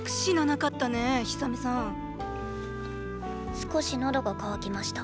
少し喉が渇きました。